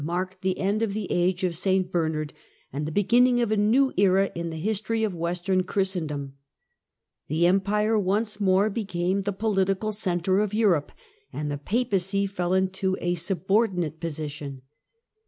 marked the end of the L, Bar I barossa, JL " Age of St Bernard " and the beginning of a new era in the history of Western Christendom, The Empire once more became the political centre of Europe, and the Papacy fell into a subordinate position.